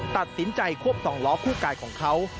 ตัดสินใจควบสองล้อคู่กายของเขา